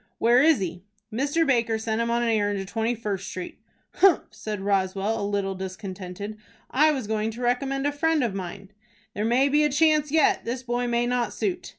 "Where is he?" "Mr. Baker sent him on an errand to Twenty first Street." "Humph!" said Roswell, a little discontented, "I was going to recommend a friend of mine." "There may be a chance yet. This boy may not suit."